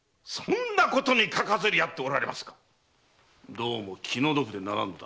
どうも気の毒でならんのだ。